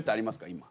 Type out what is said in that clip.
今。